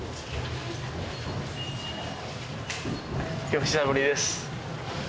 お久しぶりです。